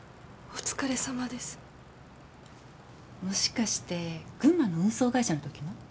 もしかして群馬の運送会社のときの？